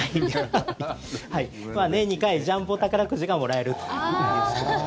年２回ジャンボ宝くじがもらえると。